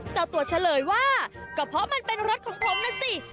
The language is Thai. เจ้าตัวเฉลยว่าก็เพราะมันเป็นรถของผมนะสิ